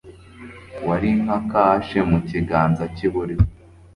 wari nka kashe mu kiganza cy'iburyo